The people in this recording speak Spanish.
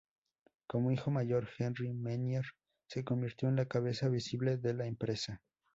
Como hijo mayor, Henri Menier se convirtió en la cabeza visible de la empresa.